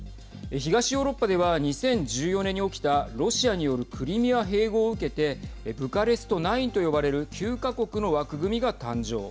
東ヨーロッパでは２０１４年に起きたロシアによるクリミア併合を受けてブカレスト９と呼ばれる９か国の枠組みが誕生。